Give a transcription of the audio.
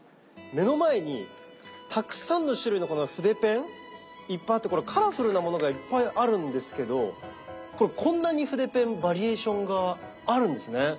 目の前にたくさんの種類のこの筆ペンいっぱいあってカラフルなものがいっぱいあるんですけどこんなに筆ペンバリエーションがあるんですね。